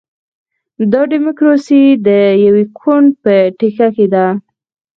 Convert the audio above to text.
دا ډیموکراسي د یوه ګوند په ټیکه کې ده.